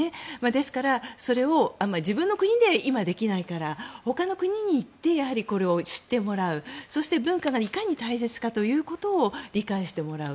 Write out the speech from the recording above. ですから、それを自分の国で今できないからほかの国に行ってこれを知ってもらうそして、文化がいかに大切かということを理解してもらう。